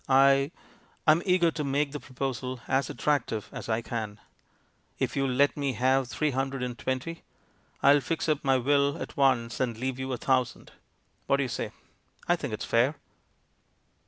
I — I'm eager to make the proposal as attractive as I can. If WITH INTENT TO DEFRAUD 229 you'll let me have three hundred and twenty, I'll fix up my Will at once and leave you a thousand. What do you say? I think it's fair."